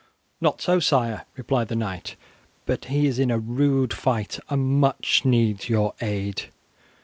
"Not so, sire," replied the knight, "but he is in a rude fight, and much needs your aid."